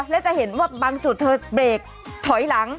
แล้วจะเห็นว่าบางจุดเธอเบรกถอยหลัง